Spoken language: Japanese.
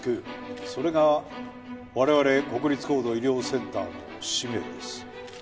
それが我々国立高度医療センターの使命です。